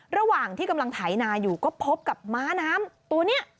ระหว่างที่กำลังไถนาอยู่ก็พบกับม้าน้ำตัวนี้